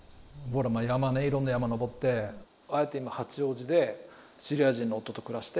山ねいろんな山登って今八王子でシリア人の夫と暮らして。